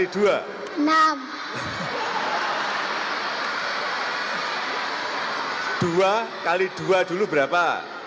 dua x dua dulu berapa empat